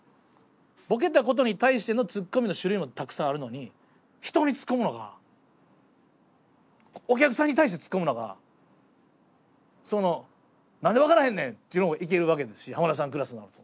ボケたことに対してのツッコミの種類もたくさんあるのに人にツッコむのかお客さんに対してツッコむのかその「何で分からへんねん！」っていうのもいけるわけですし浜田さんクラスになると。